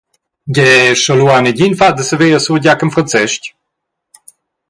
«Gie, sche ha lu negin fatg da saver a sur Giachen Franzestg?»